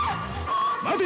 待て！